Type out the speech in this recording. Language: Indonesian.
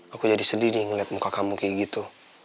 aku jadi sedih nih ngeliat muka kamu kayak gitu